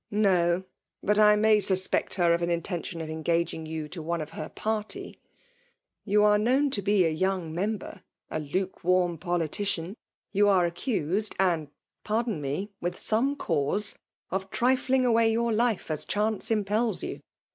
'*" No — but I may. suspect her of an inten tion of engaging you to one of her party. You are known to be a young member ^ a lukewarm politician. You are accused, and (pardon me) with some cause, of trifling away your life as chance impek you.